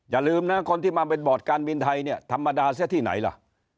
อย่าลืมนะคนที่มาเป็นบอร์ดการบินไทยเนี่ยธรรมดาเสียที่ไหนล่ะ